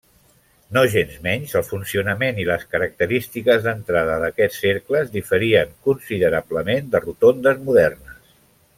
Nogensmenys, el funcionament i les característiques d'entrada d'aquests cercles diferien considerablement de rotondes modernes.